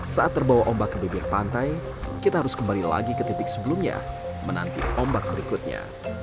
saat terbawa ombak ke bibir pantai kita harus kembali lagi ke titik sebelumnya menanti ombak berikutnya